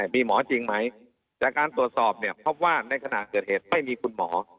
มีหมอจริงไหมจากการตรวจสอบเนี่ยพบว่าในขณะเกิดเหตุไม่มีคุณหมอ